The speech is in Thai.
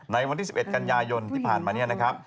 ในวันที่๑๑กันยายนที่ผ่านมาเนี่ยนะครับ